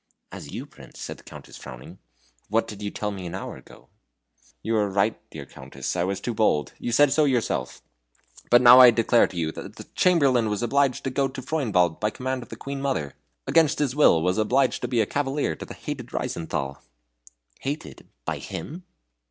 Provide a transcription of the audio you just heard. "As you, Prince?" said the Countess, frowning, "what did you tell me an hour ago?" "You are right, dear Countess, I was too bold. You said so yourself. But now I declare to you the Chamberlain was obliged to go to Freudenwald by command of the Queen mother against his will was obliged to be cavalier to the hated Reizenthal " "Hated by him?"